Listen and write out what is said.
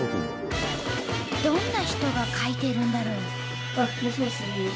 どんな人が描いてるんだろう？